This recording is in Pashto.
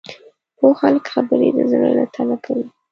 پوه خلک خبرې د زړه له تله کوي